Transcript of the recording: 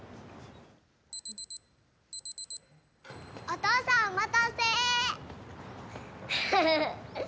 おとうさん、お待たせ。